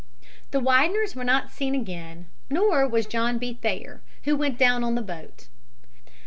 "The Wideners were not seen again, nor was John B. Thayer, who went down on the boat.